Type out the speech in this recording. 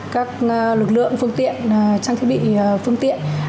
các lực lượng phương tiện trang thiết bị phương tiện